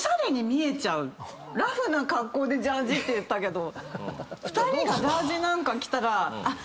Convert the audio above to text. ラフな格好でジャージーって言ったけど２人がジャージーなんか着たら。